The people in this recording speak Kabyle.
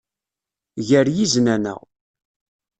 Gar yiznan-a.